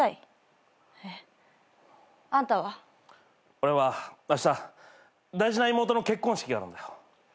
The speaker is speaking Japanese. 俺はあした大事な妹の結婚式があるんだよ。